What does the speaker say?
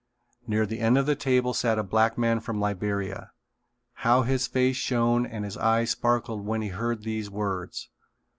Near the end of the table sat the black man from Liberia. How his face shone and his eyes sparkled when he heard these words!